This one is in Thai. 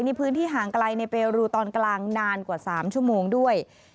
ในพื้นที่ห่างไกลในเปรูตอนกลางนานกว่า๓ชั่วโมงด้วย